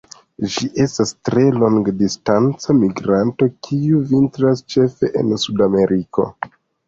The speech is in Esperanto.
Ĝi estas tre longdistanca migranto kiu vintras ĉefe en Suda Ameriko.